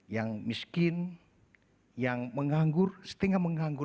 yang miskin yang menganggur setengah menganggur